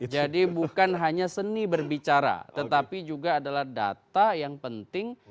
jadi bukan hanya seni berbicara tetapi juga adalah data yang penting